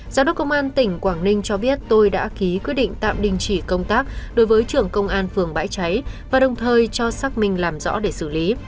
giám đốc công an tỉnh quảng ninh cho biết tôi đã ký quyết định tạm đình chỉ công tác đối với trưởng công an phường bãi cháy và đồng thời cho xác minh làm rõ để xử lý